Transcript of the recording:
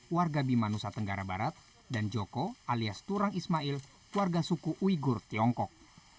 warga bima nusa tenggara barat dan joko alias turang ismail warga suku uyghur tiongkok